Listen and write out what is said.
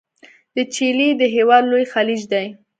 د چیلي د هیواد لوی خلیج دی.